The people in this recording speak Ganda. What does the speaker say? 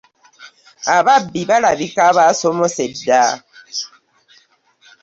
Ababbi balabika baasomose dda.